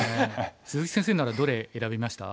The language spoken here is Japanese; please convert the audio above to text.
鈴木先生ならどれ選びました？